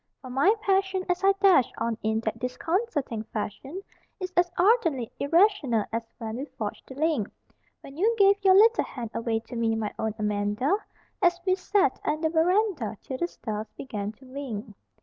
For my passion as I dash on in that disconcerting fashion Is as ardently irrational as when we forged the link When you gave your little hand away to me, my own Amanda An we sat 'n the veranda till the stars began to wink.